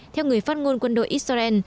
theo người phát ngôn quân đội israel